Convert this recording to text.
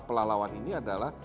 pelalauan ini adalah